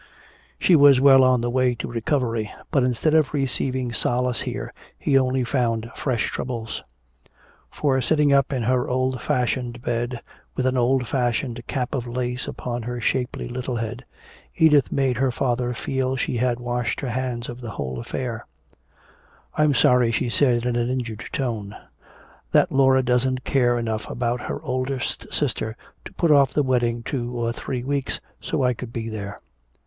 She was well on the way to recovery, but instead of receiving solace here he only found fresh troubles. For sitting up in her old fashioned bed, with an old fashioned cap of lace upon her shapely little head, Edith made her father feel she had washed her hands of the whole affair. "I'm sorry," she said in an injured tone, "that Laura doesn't care enough about her oldest sister to put off the wedding two or three weeks so I could be there.